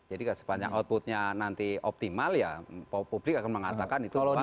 jadi sepanjang outputnya nanti optimal ya publik akan mengatakan itu